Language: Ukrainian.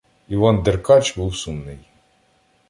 Іван Деркач був сумний.